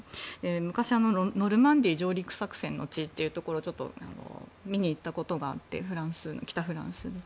昔、ノルマンディー上陸作戦の地というところを見に行ったことがあって北フランスの。